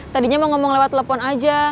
tadinya mau ngomong lewat telepon aja